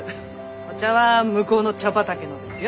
お茶は向こうの茶畑のですよ。